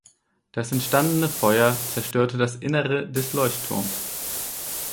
Das entstandene Feuer zerstörte das Innere des Leuchtturms.